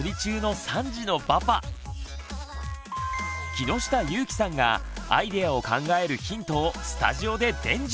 木下ゆーきさんがアイデアを考えるヒントをスタジオで伝授！